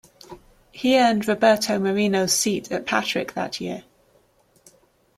He earned Roberto Moreno's seat at Patrick that year.